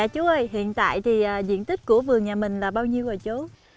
chú ơi hiện tại thì diện tích của vườn nhà mình là bao nhiêu rồi chú